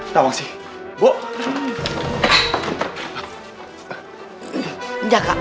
tunggu apa lagi